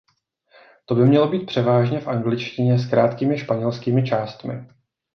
To by mělo být převážně v angličtině s krátkými španělskými částmi.